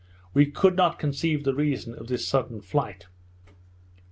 We could not conceive the reason of this sudden fright.